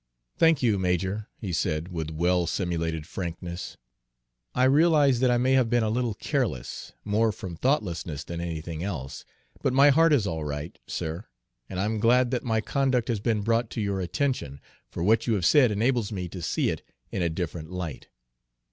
"Thank you, major," he said, with well simulated frankness. "I realize that I may have been a little careless, more from thoughtlessness than anything else; but my heart is all right, sir, and I am glad that my conduct has been brought to your attention, for what you have said enables me to see it in a different light.